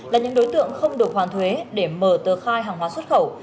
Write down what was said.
là những đối tượng không được hoàn thuế để mở tờ khai hàng hóa xuất khẩu